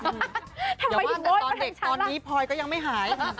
ทำไมทิ้งโม้ยมาทั้งชั้นล่ะอย่าว่าแต่ตอนเด็กตอนนี้พลอยก็ยังไม่หาย